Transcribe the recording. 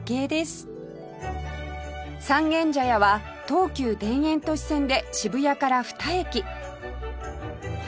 三軒茶屋は東急田園都市線で渋谷から２駅